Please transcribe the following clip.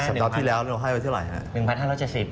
สัปดาห์ที่แล้วเราให้ไว้เท่าไหร่ฮะ